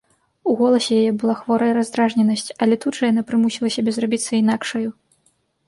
У голасе яе была хворая раздражненасць, але тут жа яна прымусіла сябе зрабіцца інакшаю.